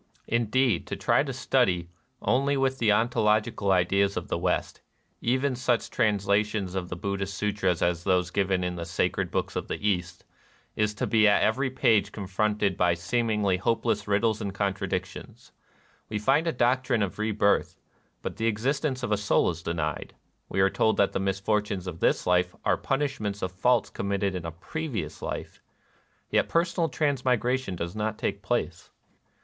" Indeed, to try to study, only with the ontological ideas of the West, even such trans lations of the Buddhist Sutras as those given in the " Sacred Books of the East," is to be 1 Fo Sho Hmg Tsan King. 214 NIRVANA at every page confronted by seemingly hope less riddles and contradictions. We find a doctrine of rebirth ; but the existence of a soul is denied. We are told that the mis fortunes of this life are punishments of faults committed in a previous life ; yet personal transmigration does not take place.